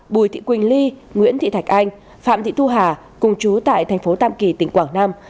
bùi thị quỳnh ly nguyễn thị thạch anh phạm thị thu hà cùng chú tại thành phố tam kỳ tỉnh quảng nam